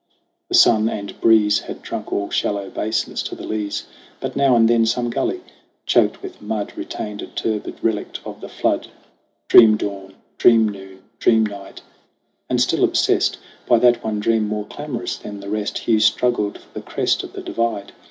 The sun and breeze Had drunk all shallow basins to the lees, But now and then some gully, choked with mud, Retained a turbid relict of the flood. Dream dawn, dream noon, dream night ! And still obsessed By that one dream more clamorous than the rest, Hugh struggled for the crest of the divide.